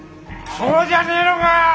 そうじゃねえのか！